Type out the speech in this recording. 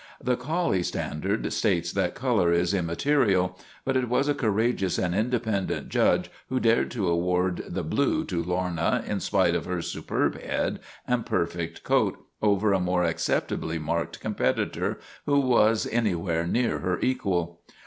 The collie Standard states that color is imma terial, but it was a courageous and independent judge who dared to award the blue to Lorna, in spite of her superb head and perfect coat, over a more acceptably marked competitor who was anywhere near her equal.